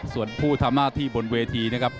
ส่วนผู้ทำหน้าที่บนเวทีนะครับ